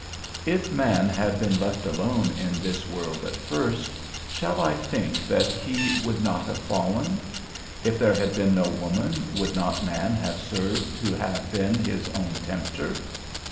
If man had been left alone in this world at first, shall I think that he would not have fallen? If there had been no woman, would not man have served to have been his own tempter?